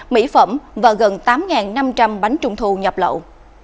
mỹ phẩm và gần tám năm trăm linh bánh trung thu nhập lậu